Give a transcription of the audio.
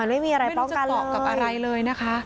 แม่มีอะไรป้องกันเลย